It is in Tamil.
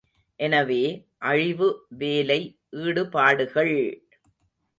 எனவே, அழிவு வேலை ஈடுபாடுகள்!